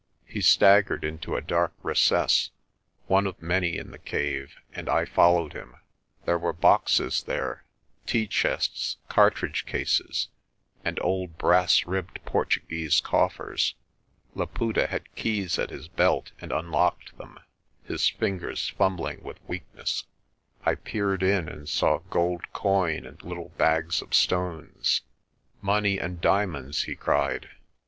He staggered into a dark recess, one of many in the cave, and I followed him. There were boxes there, tea chests, cartridge cases, and old brass ribbed Portuguese coffers. Laputa had keys at his belt and unlocked them, his fingers fumbling with weakness. I peered in and saw gold coin and little bags of stones. "Money and diamonds," he cried.